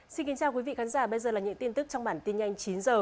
xin kính chào quý vị khán giả bây giờ là những tin tức trong bản tin nhanh chín h